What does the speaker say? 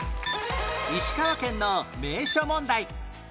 石川県の名所問題